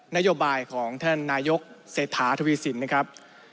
นโยบายของท่านนายกเศรษฐาทวีสินนะครับ